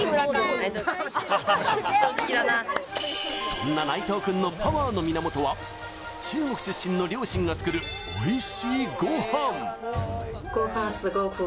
そんな内藤君のパワーの源は、中国出身の両親が作るおいしいご飯。